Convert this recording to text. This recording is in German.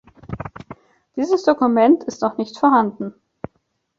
Dieses Dokument ist noch nicht vorhanden.